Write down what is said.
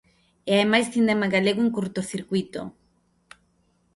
E hai máis cinema galego en Curtocircuíto.